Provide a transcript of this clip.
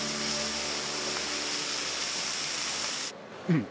うん！